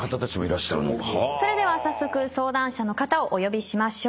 それでは早速相談者の方をお呼びしましょう。